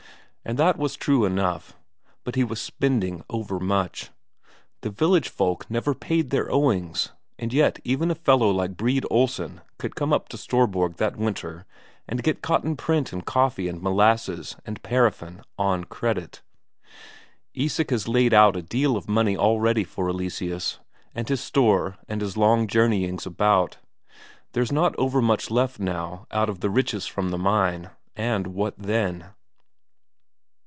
And that was true enough; but he was spending overmuch. They village folk never paid their owings, and yet even a fellow like Brede Olsen could come up to Storborg that winter and get cotton print and coffee and molasses and paraffin on credit. Isak has laid out a deal of money already for Eleseus, and his store and his long journeyings about; there's not overmuch left now out of the riches from the mine and what then?